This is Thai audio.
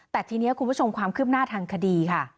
แต่ทีนี้คุณผู้ชมความคืบหน้าทางคดีค่ะ